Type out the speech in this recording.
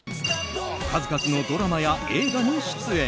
数々のドラマや映画に出演。